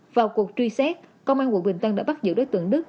vào cuộc truy xét công an quận bình tân đã bắt giữ đối tượng đức